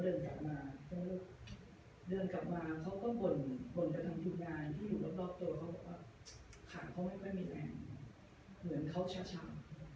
แล้วพอเข้าไปทำการนักแสดงแล้วเดินกลับมาเขาก็บ่นกระทำทีมงานที่อยู่รอบตัวเขาก็บอกว่าขาดเขาไม่มีแรงเหมือนเขาชาว